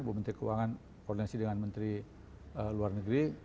bu menteri keuangan koordinasi dengan menteri luar negeri